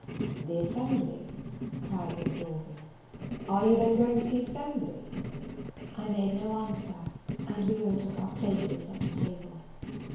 "The assembly!" cried Lord Orville; "are you then going to the assembly?" I made no answer; and we all took our places at table.